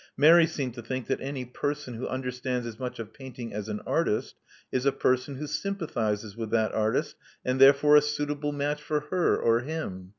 Mary seemed to think that any person who imder stands as much of painting as an artist, is a person who sympathizes with that artist, and therefore a suitable match for her — or him.